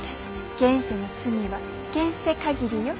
現世の罪は現世限りよ。